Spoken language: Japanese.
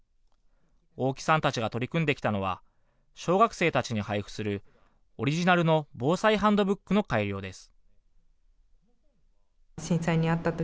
大木さんたちが取り組んできたのは小学生たちに配布するオリジナルの防災ハンドブックの改良です。